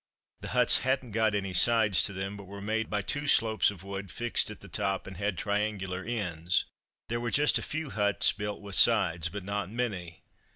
The huts hadn't got any sides to them, but were made by two slopes of wood fixed at the top, and had triangular ends. There were just a few huts built with sides, but not many.